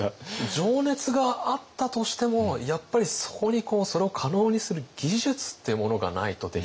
情熱があったとしてもやっぱりそこにそれを可能にする技術ってものがないとできない。